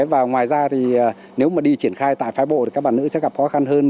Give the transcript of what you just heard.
và ngoài ra thì nếu mà đi triển khai tại phái bộ thì các bà nữ sẽ gặp khó khăn hơn